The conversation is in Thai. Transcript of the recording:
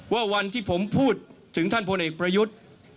ว่าวันที่ผมพูดถึงท่านพลเอกประยุทธ์